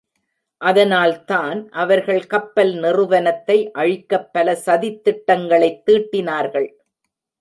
அதனால்தான் அவர்கள் கப்பல் நிறுவனத்தை அழிக்கப் பலசதித் திட்டங்களைத் தீட்டினார்கள்.